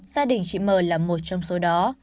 gia đình chị m là một trong số đó